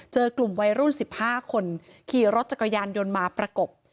เจอกลุ่มวัยรุ่น๑๕คนขี่รถจักรยานยนต์มาประกบ